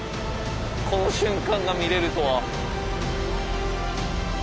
この瞬間が見れるとは。